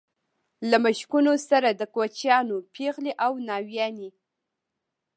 له مشکونو سره د کوچیانو پېغلې او ناويانې.